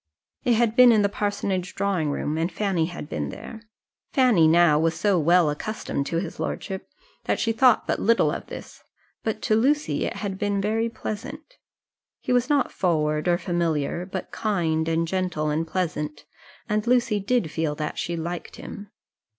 It had been in the parsonage drawing room, and Fanny had been there. Fanny now was so well accustomed to his lordship, that she thought but little of this, but to Lucy it had been very pleasant. He was not forward or familiar, but kind, and gentle, and pleasant; and Lucy did feel that she liked him.